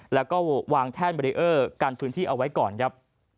แล้วก็วางแท่นเบรีเออร์กันพื้นที่เอาไว้ก่อนครับ